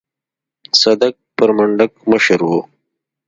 صدک پر منډک مشر و.